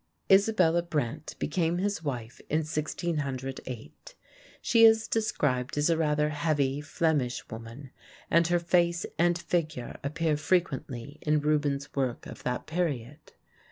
Isabella Brandt became his wife in 1608. She is described as a rather heavy Flemish woman, and her face and figure appear frequently in Rubens' work of that period.